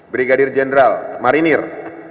brigadir jenderal marinir